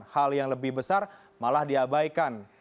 hal yang lebih besar malah diabaikan